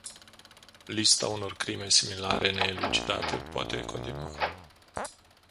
Lista unor crime similare neelucidate poate continua.